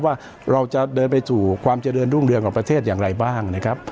ว่าเราจะเดินไปสู่ความเจริญรุ่งเรืองของประเทศอย่างไรบ้างนะครับ